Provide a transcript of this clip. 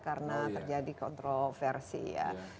karena terjadi kontroversi ya